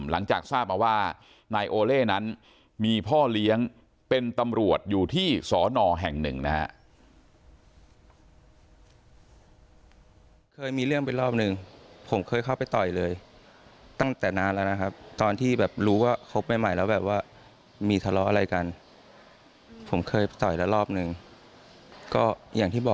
หลังจากทราบมาว่านายโอเล่นั้นมีพ่อเลี้ยงเป็นตำรวจอยู่ที่สอนอแห่งหนึ่งนะฮะ